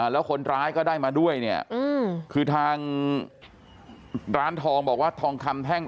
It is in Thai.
แล้วคนร้ายก็ได้มาด้วยเนี่ยคือทางร้านทองบอกว่าทองคำแท่ง